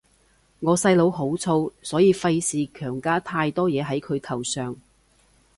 我細佬好燥，所以費事強加太多嘢係佢頭上